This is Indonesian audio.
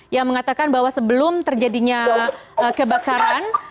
yang mengatakan bahwa sebelum terjadinya kebakaran